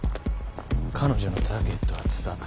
彼女のターゲットは津田。